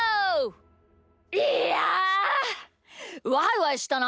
いやワイワイしたな！